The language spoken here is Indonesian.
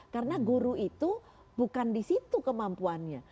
karena guru itu bukan disitu kemampuannya